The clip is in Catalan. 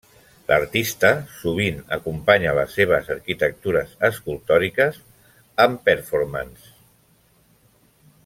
L'artista sovint acompanya les seves arquitectures escultòriques amb performances.